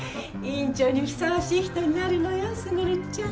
院長にふさわしい人になるのよ卓ちゃん。